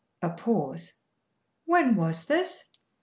A pause. "When was this?"